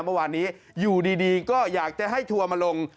เมื่อวานนี้อยู่ดีก็อยากจะให้ทัวร์มาลง